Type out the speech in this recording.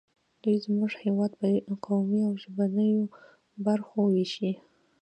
دوی زموږ هېواد په قومي او ژبنیو برخو ویشي